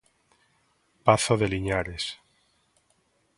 Pazo de Liñares.